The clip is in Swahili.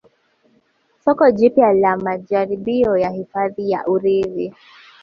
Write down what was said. Soko jipya na majaribio ya hifadhi ya urithi